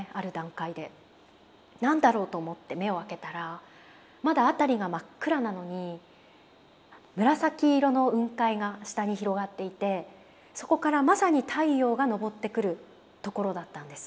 何だろうと思って目を開けたらまだ辺りが真っ暗なのに紫色の雲海が下に広がっていてそこからまさに太陽が昇ってくるところだったんです。